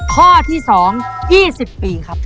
ข้อที่๒ยี่สิบปีครับ